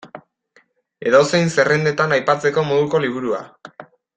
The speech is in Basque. Edozein zerrendatan aipatzeko moduko liburua.